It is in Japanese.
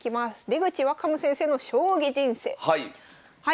出口若武先生の将棋人生。